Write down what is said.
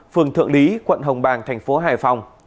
phường thượng lý quận hồng bàng thành phố hải phòng